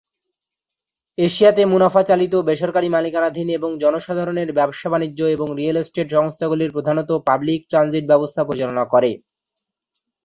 এশিয়াতে, মুনাফা-চালিত, বেসরকারি মালিকানাধীন এবং জনসাধারণের ব্যবসা বাণিজ্য এবং রিয়েল এস্টেট সংস্থাগুলি প্রধানত পাবলিক ট্রানজিট ব্যবস্থা পরিচালনা করে।